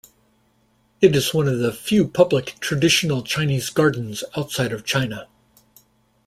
It is one of the few public traditional Chinese gardens outside of China.